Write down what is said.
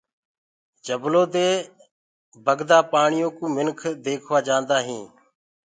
جبلآ مي لآر ڪرآ پآڻي ديکوآ منک جآندآ هينٚ۔